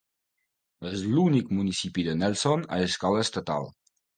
És l'únic municipi de Nelson a escala estatal.